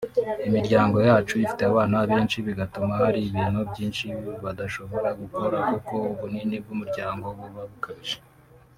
Imiryango yacu ifite abana benshi bigatuma hari ibintu byinshi badashobora gukora kuko ubunini bw’umuryango buba bukabije”